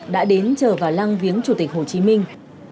đã đến chờ vào lăng viếng chủ tịch hồ chí minh